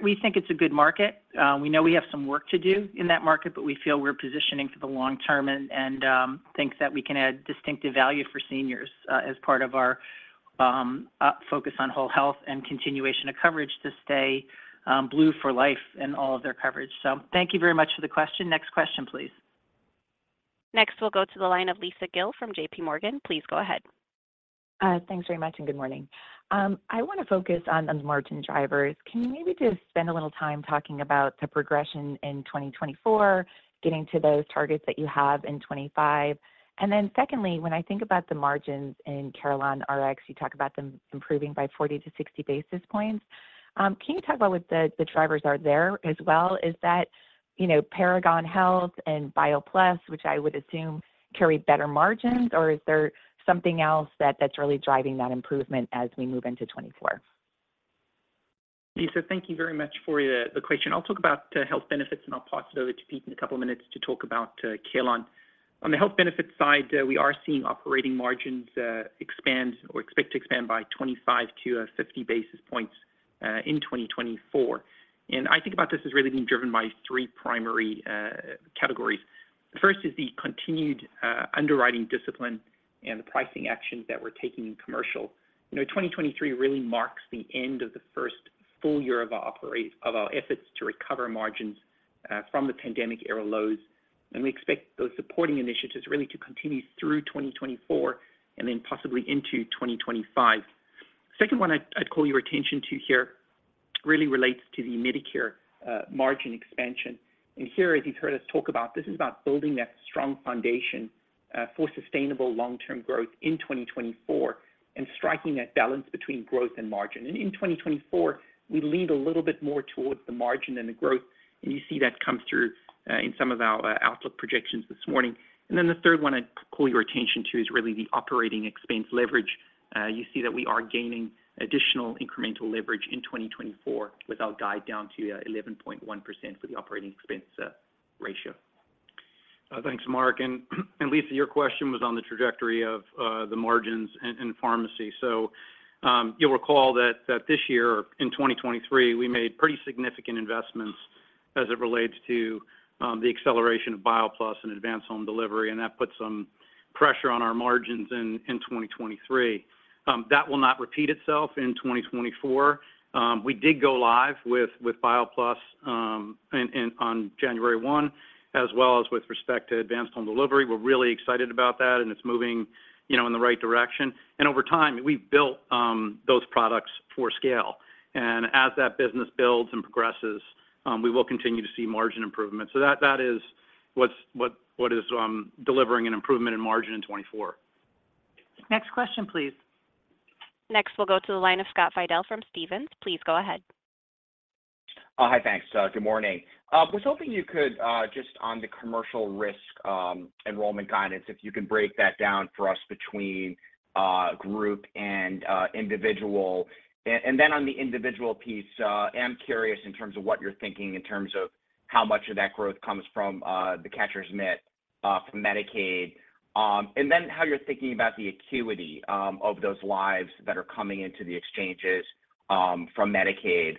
we think it's a good market. We know we have some work to do in that market, but we feel we're positioning for the long term and think that we can add distinctive value for seniors as part of our focus on whole health and continuation of coverage to stay Blue for life in all of their coverage. So thank you very much for the question. Next question, please. Next, we'll go to the line of Lisa Gill from JPMorgan. Please go ahead. Thanks very much, and good morning. I want to focus on the margin drivers. Can you maybe just spend a little time talking about the progression in 2024, getting to those targets that you have in 2025? And then secondly, when I think about the margins in CarelonRx, you talk about them improving by 40 basis points-60 basis points. Can you talk about what the drivers are there as well? Is that, you know, Paragon Health and BioPlus, which I would assume carry better margins, or is there something else that's really driving that improvement as we move into 2024? Lisa, thank you very much for the question. I'll talk about health benefits, and I'll pass it over to Pete in a couple of minutes to talk about Carelon. On the health benefits side, we are seeing operating margins expand or expect to expand by 25 basis points-50 basis points in 2024. I think about this as really being driven by three primary categories. The first is the continued underwriting discipline and the pricing actions that we're taking in commercial. You know, 2023 really marks the end of the first full year of our efforts to recover margins from the pandemic era lows, and we expect those supporting initiatives really to continue through 2024 and then possibly into 2025. Second one I'd call your attention to here really relates to the Medicare margin expansion. And here, as you've heard us talk about, this is about building that strong foundation for sustainable long-term growth in 2024 and striking that balance between growth and margin. And in 2024, we leaned a little bit more towards the margin than the growth, and you see that come through in some of our outlook projections this morning. And then the third one I'd call your attention to is really the operating expense leverage. You see that we are gaining additional incremental leverage in 2024 with our guide down to 11.1% for the operating expense ratio. Thanks, Mark. And Lisa, your question was on the trajectory of the margins in pharmacy. So, you'll recall that this year, in 2023, we made pretty significant investments as it relates to the acceleration of BioPlus and Advanced Home Delivery, and that put some pressure on our margins in 2023. That will not repeat itself in 2024. We did go live with BioPlus on January 1, as well as with respect to Advanced Home Delivery. We're really excited about that, and it's moving, you know, in the right direction. And over time, we've built those products for scale. And as that business builds and progresses, we will continue to see margin improvement. So that is what's delivering an improvement in margin in 2024. Next question, please. Next, we'll go to the line of Scott Fidel from Stephens. Please go ahead. Hi, thanks. Good morning. Was hoping you could just on the commercial risk enrollment guidance, if you can break that down for us between group and individual. And then on the individual piece, am curious in terms of what you're thinking in terms of how much of that growth comes from the catcher's mitt from Medicaid, and then how you're thinking about the acuity of those lives that are coming into the exchanges from Medicaid.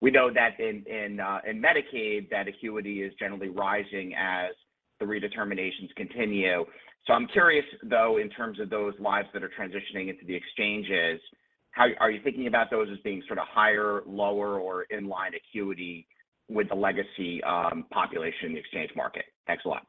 We know that in Medicaid, that acuity is generally rising as the redeterminations continue. So I'm curious, though, in terms of those lives that are transitioning into the exchanges, how are you thinking about those as being sort of higher, lower, or in line acuity with the legacy population exchange market? Thanks a lot.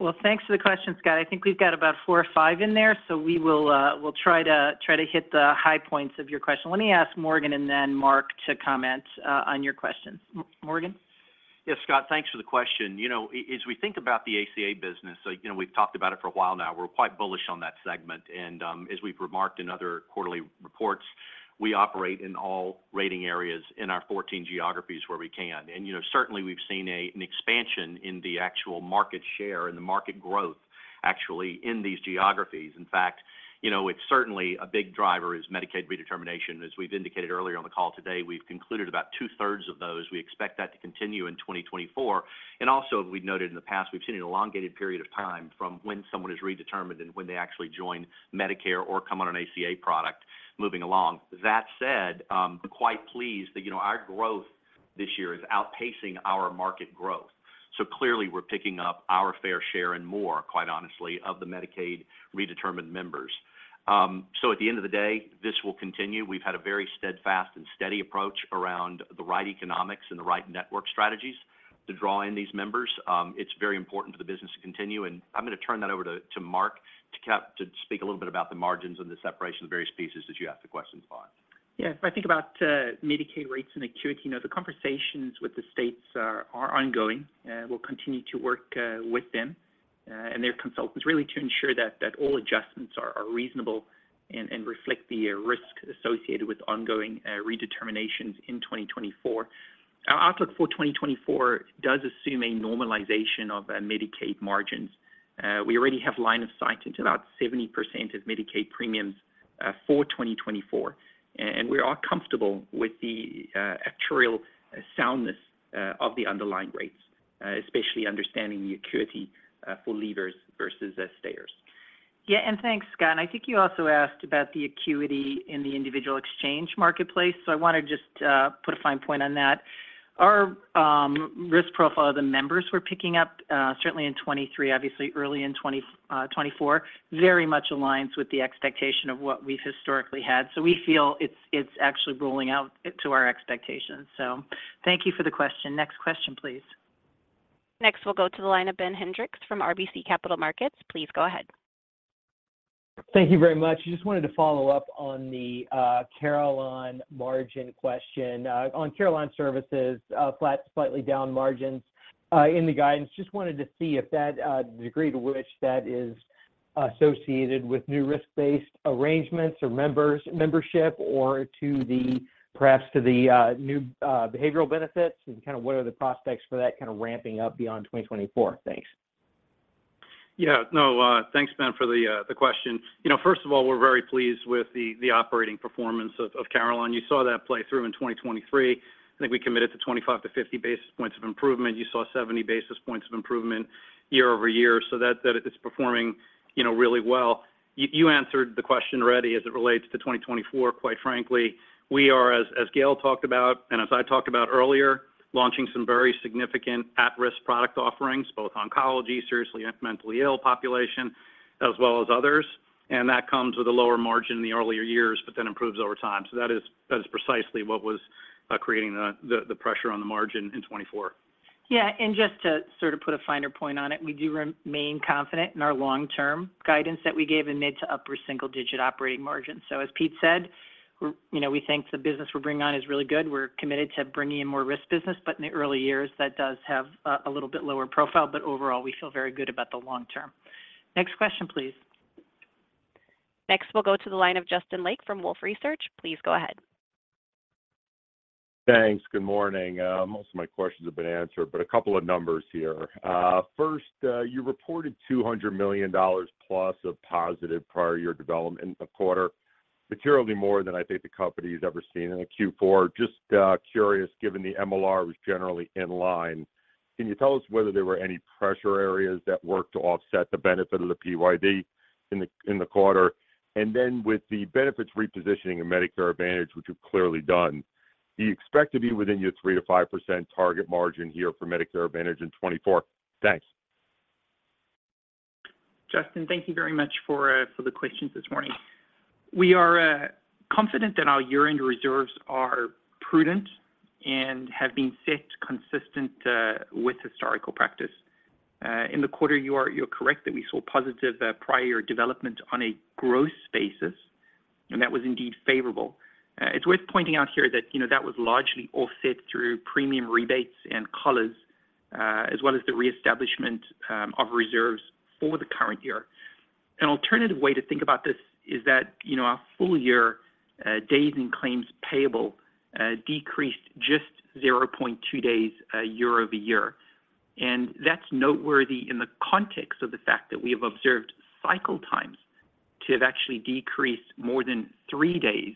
Well, thanks for the question, Scott. I think we've got about four or five in there, so we'll try to hit the high points of your question. Let me ask Morgan and then Mark to comment on your question. M- Morgan? Yes, Scott, thanks for the question. You know, as we think about the ACA business, so, you know, we've talked about it for a while now. We're quite bullish on that segment, and, as we've remarked in other quarterly reports, we operate in all rating areas in our 14 geographies where we can. And, you know, certainly, we've seen an expansion in the actual market share and the market growth, actually, in these geographies. In fact, you know, it's certainly a big driver, is Medicaid redetermination. As we've indicated earlier on the call today, we've concluded about 2/3 of those. We expect that to continue in 2024. And also, as we've noted in the past, we've seen an elongated period of time from when someone is redetermined and when they actually join Medicare or come on an ACA product moving along. That said, we're quite pleased that, you know, our growth this year is outpacing our market growth. So clearly, we're picking up our fair share and more, quite honestly, of the Medicaid redetermined members. So at the end of the day, this will continue. We've had a very steadfast and steady approach around the right economics and the right network strategies to draw in these members. It's very important for the business to continue, and I'm gonna turn that over to Mark Kaye to speak a little bit about the margins and the separation of the various pieces that you asked the question on. Yeah. If I think about Medicaid rates and acuity, you know, the conversations with the states are ongoing, and we'll continue to work with them and their consultants, really to ensure that all adjustments are reasonable and reflect the risk associated with ongoing redeterminations in 2024. Our outlook for 2024 does assume a normalization of Medicaid margins. We already have line of sight into about 70% of Medicaid premiums for 2024, and we are comfortable with the actuarial soundness of the underlying rates, especially understanding the acuity for leavers versus stayers. Yeah, and thanks, Scott. I think you also asked about the acuity in the individual exchange marketplace, so I wanna just put a fine point on that. Our risk profile of the members we're picking up, certainly in 2023, obviously early in 2024, very much aligns with the expectation of what we've historically had. So we feel it's actually rolling out to our expectations. So thank you for the question. Next question, please. Next, we'll go to the line of Ben Hendrix from RBC Capital Markets. Please go ahead. Thank you very much. Just wanted to follow up on the Carelon margin question. On Carelon services, flat, slightly down margins in the guidance. Just wanted to see if that the degree to which that is associated with new risk-based arrangements or membership, or to the, perhaps, to the new behavioral benefits, and kind of what are the prospects for that kind of ramping up beyond 2024? Thanks. Yeah. No, thanks, Ben, for the question. You know, first of all, we're very pleased with the operating performance of Carelon. You saw that play through in 2023. I think we committed to 25 basis points-50 basis points of improvement. You saw 70 basis points of improvement year over year, so that is performing, you know, really well. You answered the question already as it relates to 2024, quite frankly. We are, as Gail talked about, and as I talked about earlier, launching some very significant at-risk product offerings, both oncology, seriously and mentally ill population, as well as others, and that comes with a lower margin in the earlier years, but then improves over time. So that is precisely what was creating the pressure on the margin in 2024. Yeah, and just to sort of put a finer point on it, we do remain confident in our long-term guidance that we gave in mid- to upper-single-digit operating margin. So as Pete said, we're, you know, we think the business we're bringing on is really good. We're committed to bringing in more risk business, but in the early years, that does have a little bit lower profile, but overall, we feel very good about the long term. Next question, please. Next, we'll go to the line of Justin Lake from Wolfe Research. Please go ahead. Thanks. Good morning. Most of my questions have been answered, but a couple of numbers here. First, you reported $200 million plus of positive prior year development a quarter, materially more than I think the company's ever seen in a Q4. Just, curious, given the MLR was generally in line, can you tell us whether there were any pressure areas that worked to offset the benefit of the PYD in the quarter? And then with the benefits repositioning in Medicare Advantage, which you've clearly done, do you expect to be within your 3%-5% target margin here for Medicare Advantage in 2024? Thanks. Justin, thank you very much for the questions this morning. We are confident that our year-end reserves are prudent and have been set consistent with historical practice. In the quarter, you're correct that we saw positive prior development on a gross basis, and that was indeed favorable. It's worth pointing out here that, you know, that was largely offset through premium rebates and COLAs as well as the reestablishment of reserves for the current year. An alternative way to think about this is that, you know, our full year days in claims payable decreased just 0.2 days year -over-year. And that's noteworthy in the context of the fact that we have observed cycle times to have actually decreased more than 3 days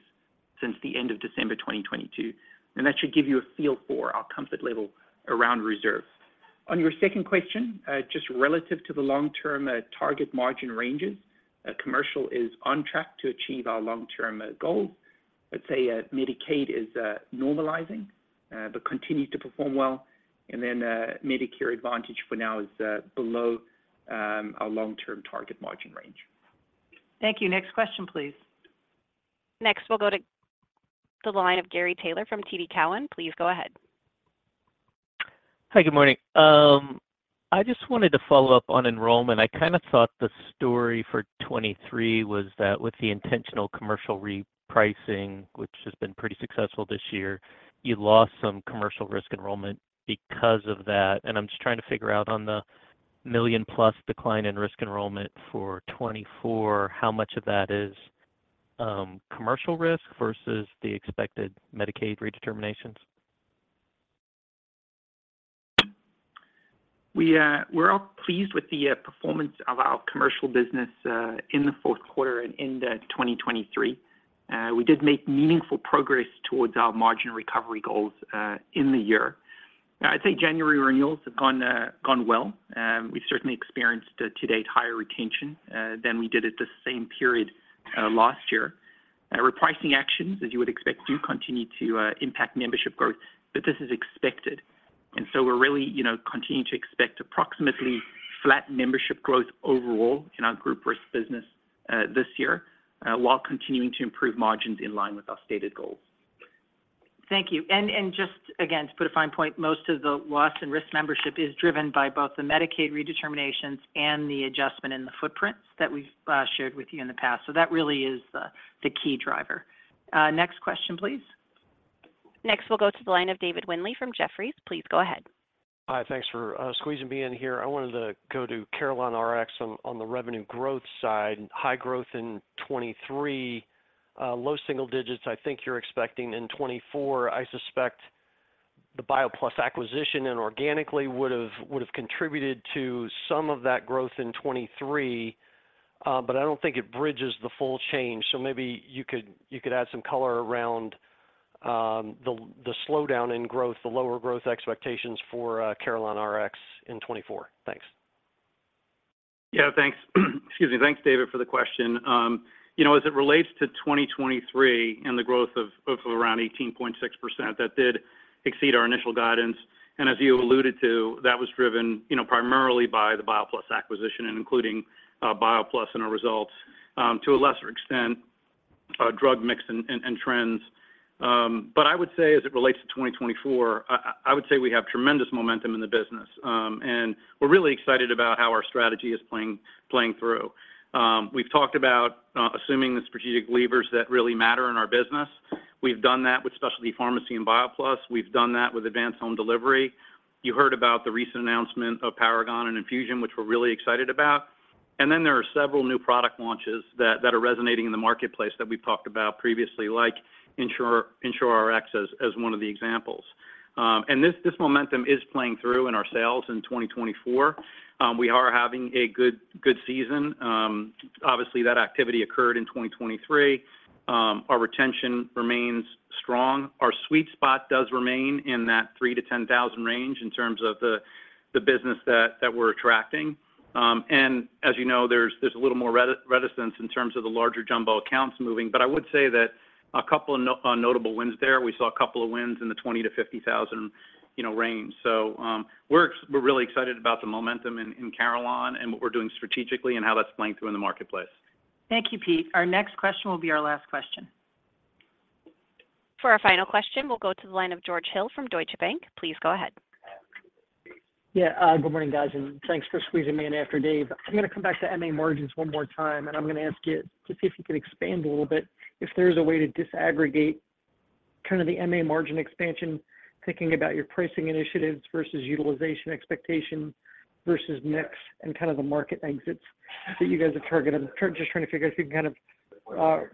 since the end of December 2022, and that should give you a feel for our comfort level around reserve. On your second question, just relative to the long-term target margin ranges, commercial is on track to achieve our long-term goals. Let's say, Medicaid is normalizing, but continues to perform well, and then, Medicare Advantage for now is below our long-term target margin range. Thank you. Next question, please. Next, we'll go to the line of Gary Taylor from TD Cowen. Please go ahead. Hi, good morning. I just wanted to follow up on enrollment. I kind of thought the story for 2023 was that with the intentional commercial repricing, which has been pretty successful this year, you lost some commercial risk enrollment because of that. And I'm just trying to figure out on the 1 million+ decline in risk enrollment for 2024, how much of that is, commercial risk versus the expected Medicaid redeterminations? We're all pleased with the performance of our commercial business in the Q4 and in 2023. We did make meaningful progress towards our margin recovery goals in the year. I'd say January renewals have gone well. We've certainly experienced to date higher retention than we did at the same period last year. Our repricing actions, as you would expect, do continue to impact membership growth, but this is expected. And so we're really, you know, continuing to expect approximately flat membership growth overall in our group risk business this year while continuing to improve margins in line with our stated goals. Thank you. And just again, to put a fine point, most of the loss in risk membership is driven by both the Medicaid redeterminations and the adjustment in the footprints that we've shared with you in the past. So that really is the key driver. Next question, please. Next, we'll go to the line of David Windley from Jefferies. Please go ahead. Hi, thanks for squeezing me in here. I wanted to go to CarelonRx on the revenue growth side. High growth in 2023, low single digits, I think you're expecting in 2024. I suspect the BioPlus acquisition and organically would have contributed to some of that growth in 2023, but I don't think it bridges the full change. So maybe you could add some color around the slowdown in growth, the lower growth expectations for CarelonRx in 2024. Thanks. Yeah, thanks. Excuse me. Thanks, David, for the question. You know, as it relates to 2023 and the growth of around 18.6%, that did exceed our initial guidance. And as you alluded to, that was driven, you know, primarily by the BioPlus acquisition and including BioPlus in our results, to a lesser extent, drug mix and trends. But I would say as it relates to 2024, I would say we have tremendous momentum in the business, and we're really excited about how our strategy is playing through. We've talked about assuming the strategic levers that really matter in our business. We've done that with specialty pharmacy and BioPlus. We've done that with Advanced Home Delivery. You heard about the recent announcement of Paragon and infusion, which we're really excited about. Then there are several new product launches that are resonating in the marketplace that we've talked about previously, like Ensure, EnsureRx as one of the examples. And this momentum is playing through in our sales in 2024. We are having a good season. Obviously, that activity occurred in 2023. Our retention remains strong. Our sweet spot does remain in that 3,000-10,000 range in terms of the business that we're attracting. And as you know, there's a little more reticence in terms of the larger jumbo accounts moving, but I would say that a couple of notable wins there. We saw a couple of wins in the 20,000-50,000, you know, range. We're really excited about the momentum in Carelon and what we're doing strategically and how that's playing through in the marketplace. Thank you, Pete. Our next question will be our last question. For our final question, we'll go to the line of George Hill from Deutsche Bank. Please go ahead. Yeah, good morning, guys, and thanks for squeezing me in after Dave. I'm gonna come back to MA margins one more time, and I'm gonna ask you to see if you can expand a little bit, if there's a way to disaggregate kind of the MA margin expansion, thinking about your pricing initiatives versus utilization expectation versus mix and kind of the market exits that you guys are targeting. Just trying to figure if you can kind of,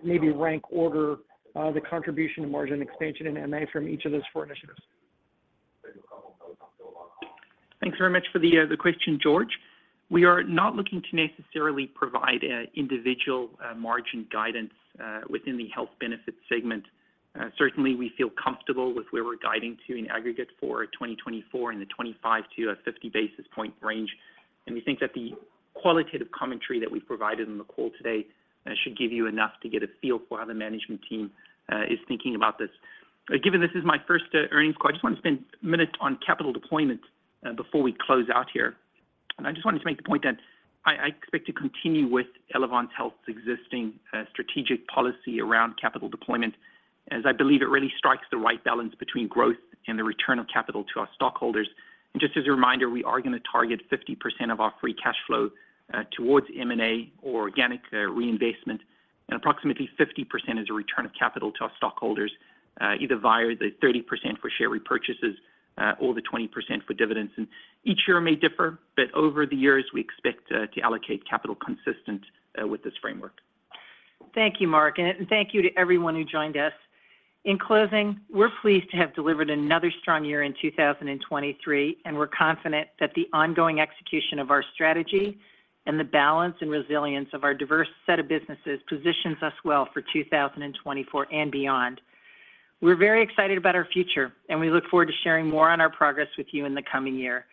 maybe rank order, the contribution to margin expansion in MA from each of those four initiatives. Thanks very much for the, the question, George. We are not looking to necessarily provide a individual, margin guidance, within the health benefit segment. Certainly, we feel comfortable with where we're guiding to in aggregate for 2024 and the 25-50 basis point range. And we think that the qualitative commentary that we provided on the call today, should give you enough to get a feel for how the management team, is thinking about this. Given this is my first, earnings call, I just want to spend a minute on capital deployments, before we close out here. I just wanted to make the point that I, I expect to continue with Elevance Health's existing strategic policy around capital deployment, as I believe it really strikes the right balance between growth and the return of capital to our stockholders. Just as a reminder, we are gonna target 50% of our free cash flow towards M&A or organic reinvestment, and approximately 50% is a return of capital to our stockholders, either via the 30% for share repurchases or the 20% for dividends. Each year may differ, but over the years, we expect to allocate capital consistent with this framework. Thank you, Mark, and thank you to everyone who joined us. In closing, we're pleased to have delivered another strong year in 2023, and we're confident that the ongoing execution of our strategy and the balance and resilience of our diverse set of businesses positions us well for 2024 and beyond. We're very excited about our future, and we look forward to sharing more on our progress with you in the coming year.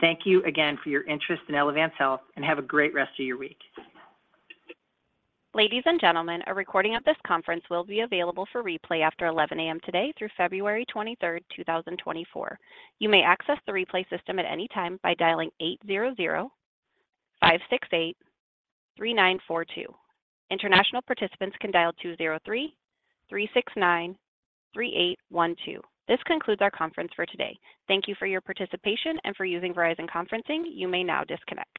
Thank you again for your interest in Elevance Health, and have a great rest of your week. Ladies and gentlemen, a recording of this conference will be available for replay after 11:00AM today through February 23, 2024. You may access the replay system at any time by dialing 800-568-3942. International participants can dial 203-369-3812. This concludes our conference for today. Thank you for your participation and for using Verizon Conferencing. You may now disconnect.